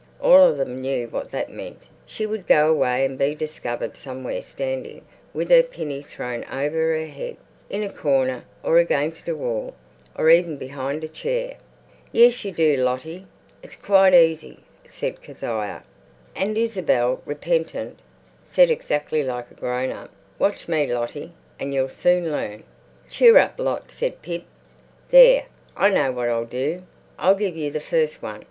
All of them knew what that meant. She would go away and be discovered somewhere standing with her pinny thrown over her head, in a corner, or against a wall, or even behind a chair. "Yes, you do, Lottie. It's quite easy," said Kezia. And Isabel, repentant, said exactly like a grown up, "Watch me, Lottie, and you'll soon learn." "Cheer up, Lot," said Pip. "There, I know what I'll do. I'll give you the first one.